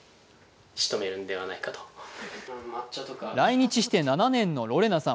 来日して７年のロレナさん。